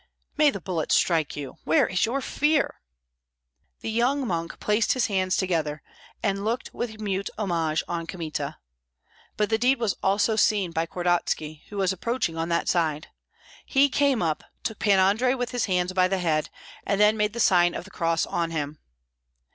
"May the bullets strike you! Where is your fear?" The young monk placed his hands together and looked with mute homage on Kmita. But the deed was also seen by Kordotski, who was approaching on that side. He came up, took Pan Andrei with his hands by the head, and then made the sign of the cross on him.